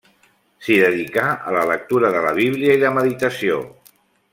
S'hi dedicà a la lectura de la Bíblia i la meditació.